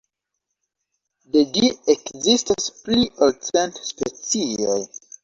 De ĝi ekzistas pli ol cent specioj.